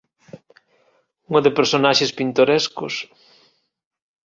Unha de personaxes pintorescos